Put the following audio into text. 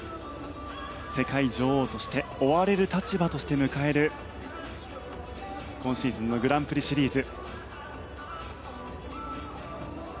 世界女王として追われる立場として迎える今シーズンのグランプリシリーズ。